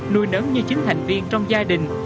nuôi nớn như chính thành viên trong gia đình